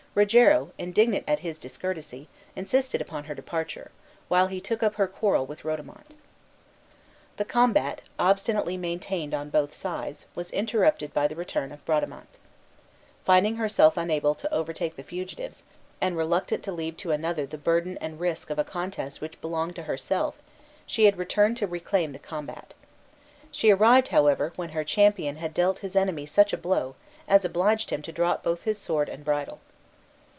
Rogero, indignant at his discourtesy, insisted upon her departure, while he took up her quarrel with Rodomont. The combat, obstinately maintained on both sides, was interrupted by the return of Bradamante. Finding herself unable to overtake the fugitives, and reluctant to leave to another the burden and risk of a contest which belonged to herself, she had returned to reclaim the combat. She arrived, however, when her champion had dealt his enemy such a blow as obliged him to drop both his sword and bridle.